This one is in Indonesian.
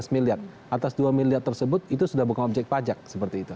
lima belas miliar atas dua miliar tersebut itu sudah bukan objek pajak seperti itu